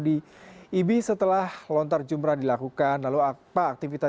dikirimkan oleh jemaah haji dan diberikan penerbangan di makkah dan madinah